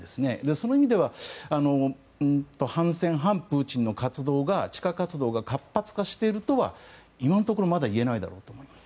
その意味では反戦、反プーチンの活動が地下活動が活発化しているとは今のところまだ言えないだろうと思います。